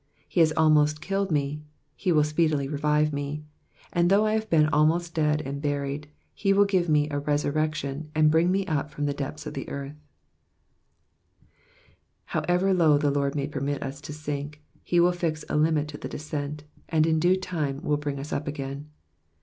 He has almost killed me, he will speedily revive me ; and though I have been almost dead and buried, he will give me a resurrection, and bring me up again from the depths of the earth,'*'* However low the Lord may permit us to sink, he will fix a limit to the descent, and in due time will bring us up again.